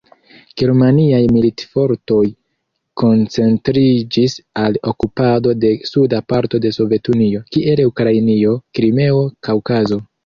Germaniaj militfortoj koncentriĝis al okupado de suda parto de Sovetunio, kiel Ukrainio, Krimeo, Kaŭkazo.